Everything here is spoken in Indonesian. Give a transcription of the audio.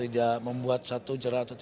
tidak membuat satu jerah